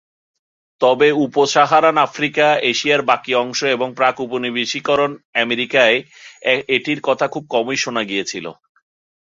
তবে উপ-সাহারান আফ্রিকা, এশিয়ার বাকী অংশ এবং প্রাক-উপনিবেশিকরণ আমেরিকায় এটির কথা খুব কমই শোনা গিয়েছিল।